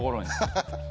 ハハハ。